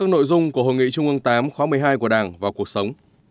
nội dung của hội nghị trung ương viii khóa một mươi hai của đảng vào cuộc sống